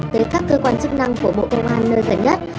tới các cơ quan chức năng của bộ công an nơi gần nhất